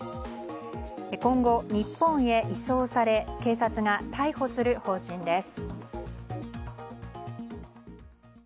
今後、日本へ移送され警察が逮捕する方針です。